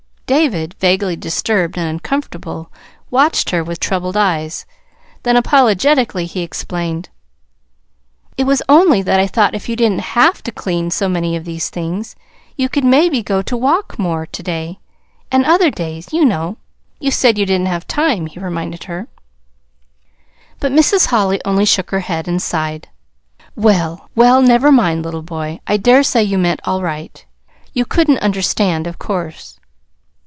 David, vaguely disturbed and uncomfortable, watched her with troubled eyes; then, apologetically, he explained: "It was only that I thought if you didn't have to clean so many of these things, you could maybe go to walk more to day, and other days, you know. You said you didn't have time," he reminded her. But Mrs. Holly only shook her head and sighed: "Well, well, never mind, little boy. I dare say you meant all right. You couldn't understand, of course."